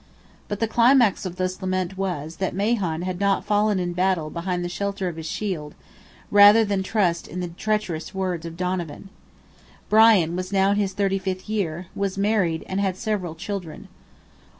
But the climax of his lament was, that Mahon "had not fallen in battle behind the shelter of his shield, rather than trust in the treacherous words of Donovan." Brian was now in his thirty fifth year, was married, and had several children.